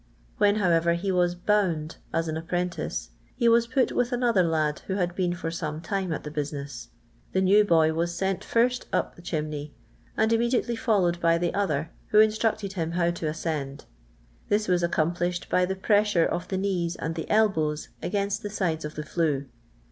"When, however, he was " bound " as an apprentice, he was put with another kd who had been for some time at the business. The new bov was sent first up the chimney, and immediately followed by the otner, who instructed him how to ascend. This was accomplished by the pressure of the knees and the elbows against the sides of the flue.